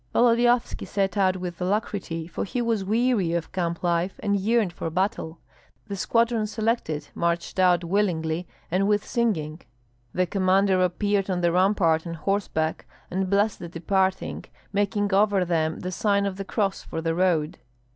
Volodyovski set out with alacrity, for he was weary of camp life and yearned for battle. The squadrons selected marched out willingly and with singing; the commander appeared on the rampart on horseback, and blessed the departing, making over them the sign of the cross for the road.